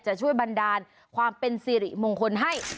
จะช่วยบันดาลความเป็นสิริมงคลให้